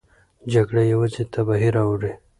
جګړه یوازې تباهي راوړي.